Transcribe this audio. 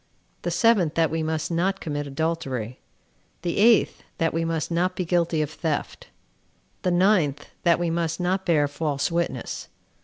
The seventh that we must not commit adultery. The eighth, that we must not be guilty of theft. The ninth, that we must not bear false witness.